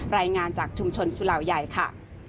รายงานจากชุมชนสุลาวยัยค่ะ